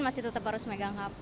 masih tetap harus megang hp